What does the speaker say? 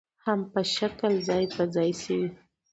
هم په ښه شکل ځاى په ځاى شوې